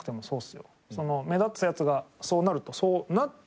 目立つヤツがそうなるとそうなっちゃう